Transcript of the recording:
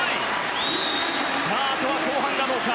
あとは後半がどうか。